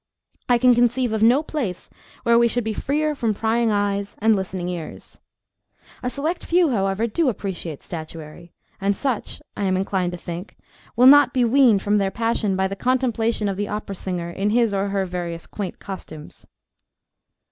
I can conceive of no place where we should be freer from prying eyes and listening ears. A select few, however, do appreciate statuary; and such, I am inclined to think, will not be weaned from their passion by the contemplation of the opera singer in his or her various quaint costumes.